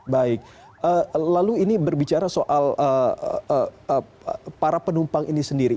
baik lalu ini berbicara soal para penumpang ini sendiri